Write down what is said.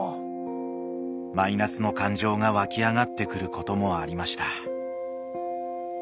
マイナスの感情がわき上がってくることもありました